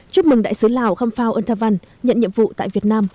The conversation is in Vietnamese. chúc mừng đại sứ lào khâm phao ân thà văn nhận nhiệm vụ tại việt nam